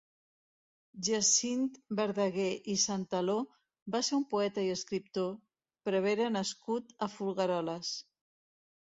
Jacint Verdaguer i Santaló va ser un poeta i escriptor, prevere nascut a Folgueroles.